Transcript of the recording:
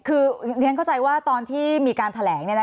คืออย่างนั้นเข้าใจว่าตอนที่มีการแถลง